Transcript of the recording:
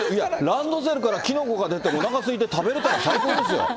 ランドセルからキノコが出て、おなかすいて食べれたら最高ですよ。